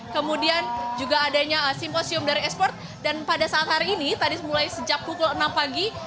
kemudian juga adanya simposium dari esports dan pada saat hari ini tadi mulai sejak pukul enam pagi